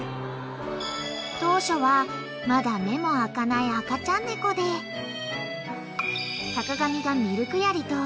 ［当初はまだ目も開かない赤ちゃん猫で坂上が］